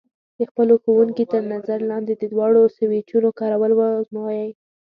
د خپلو ښوونکي تر نظر لاندې د دواړو سویچونو کارول وازموئ.